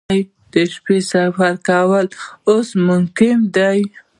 د شپې سفر کول اوس ممکن دي